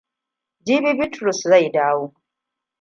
Jibi Bitrus zai dawo.